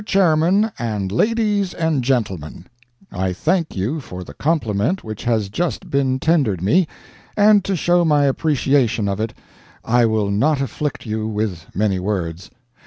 CHAIRMAN AND LADIES AND GENTLEMEN: I thank you for the compliment which has just been tendered me, and to show my appreciation of it I will not afflict you with many words.